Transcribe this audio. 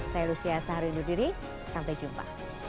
saya lucia sahari undur diri sampai jumpa